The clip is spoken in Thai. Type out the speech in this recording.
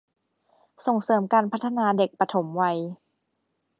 ส่งเสริมการพัฒนาเด็กปฐมวัย